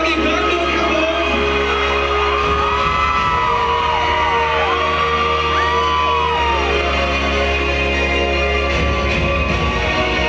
เมื่อเวลาอันดับสุดท้ายมันกลายเป้าหมายเป้าหมาย